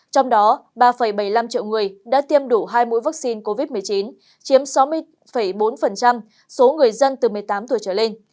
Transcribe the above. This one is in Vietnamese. trong đó ba bảy mươi năm triệu người đã tiêm đủ hai mũi vaccine covid một mươi chín chiếm sáu mươi bốn số người dân từ một mươi tám tuổi trở lên